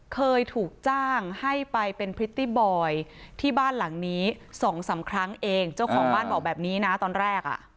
เคยถูกจ้างให้ไปเป็นพริตตี้บอยที่บ้านหลังนี้สองสามครั้งเองเจ้าของบ้านบอกแบบนี้นะตอนแรกอ่ะ